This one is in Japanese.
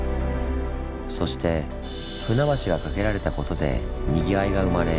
そして船橋がかけられたことでにぎわいが生まれ